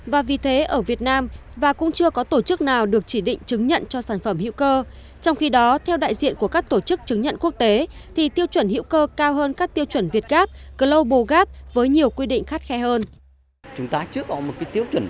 vậy ai và tổ chức nào chứng nhận cho những sản phẩm hữu cơ đang liều hành